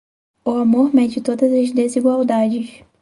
O amor mede todas as desigualdades.